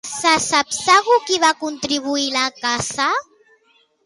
Se sap segur qui va contribuir a la caça?